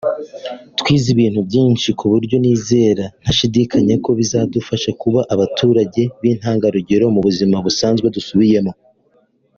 twize ibintu byinshi ku buryo nizera ntashidikanya ko bizadufasha kuba abaturage b’intangarugero mu buzima busanzwe dusubiyemo”